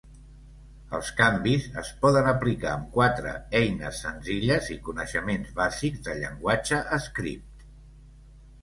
Els canvis es poden aplicar amb quatre eines senzilles i coneixements bàsics de llenguatge script.